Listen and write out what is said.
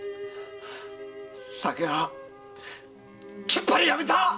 酒はきっぱり止めた‼